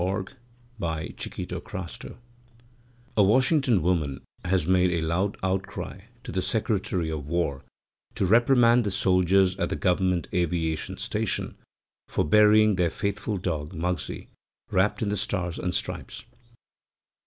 THE FLAG AND THE FAITHFUL (A Washington woman has made a loud outcry to the Secretary of War to reprimand the soldiers at the Government Aviation Station for burying their faithful dog, Muggsie, wrapped in the Stars and Stripes.)